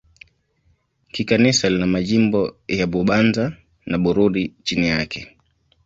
Kikanisa lina majimbo ya Bubanza na Bururi chini yake.